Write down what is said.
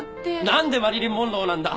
何でマリリン・モンローなんだ！？